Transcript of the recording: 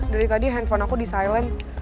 dari tadi handphone aku di silent